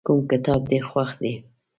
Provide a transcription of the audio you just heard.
کوم کتاب دې خوښ دی؟